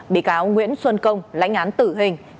bị cáo nguyễn xuân công lãnh án tử hình